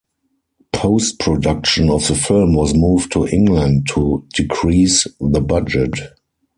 Post-production of the film was moved to England to decrease the budget.